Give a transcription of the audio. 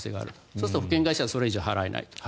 そうすると保険会社はそれ以上払えないと。